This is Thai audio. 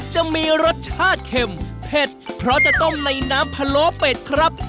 จะมีรสชาติเข็มเผ็ดเพราะจะต้มในน้ำพะโลเป็ดครับ